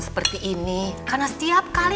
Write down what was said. seperti ini karena setiap kali